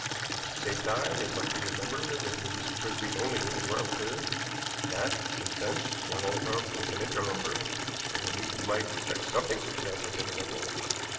At the same time, it must be remembered that he was Mr. Frisby's only living relative, that, in a sense, young Oglethorpe was an interloper, that at least he might expect something substantial from his uncle.